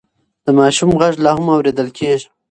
د ماشوم غږ لا هم اورېدل کېږي.